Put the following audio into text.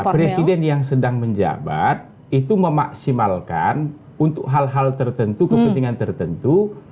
presiden yang sedang menjabat itu memaksimalkan untuk hal hal tertentu kepentingan tertentu